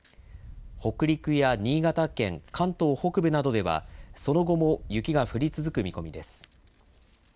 北陸や新潟県、関東北部などではその後も雪が降り続く見込みです。